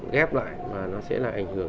ghép lại và nó sẽ là ảnh hưởng